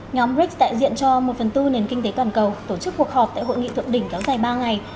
nhóm brics đại diện cho một phần tư nền kinh tế toàn cầu tổ chức cuộc họp tại hội nghị thượng đỉnh kéo dài ba ngày